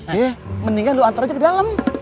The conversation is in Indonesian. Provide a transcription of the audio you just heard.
ya mendingan lu hantar aja ke dalem